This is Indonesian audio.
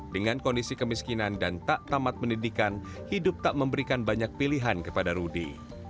dengan kondisi kemiskinan dan tak tamat pendidikan hidup tak memberikan banyak pilihan kepada rudy